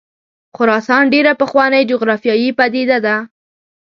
خراسان ډېره پخوانۍ جغرافیایي پدیده ده.